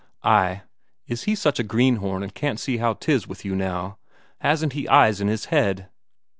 "Ay. Is he such a greenhorn and can't see how 'tis with you now? Hasn't he eyes in his head?"